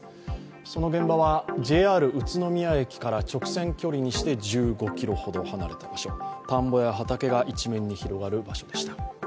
その現場はＪＲ宇都宮駅から直線距離にして１５ｋｍほど離れた場所、田んぼや畑が一面に広がる場所でした。